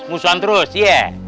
musuhan terus iya